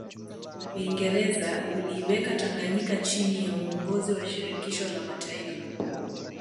Uingereza uliiweka Tanganyika chini ya uongozi wa Shirikisho la Mataifa